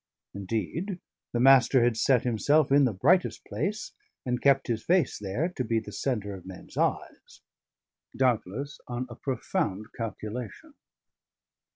Indeed, the Master had set himself in the brightest place, and kept his face there, to be the centre of men's eyes: doubtless on a profound calculation.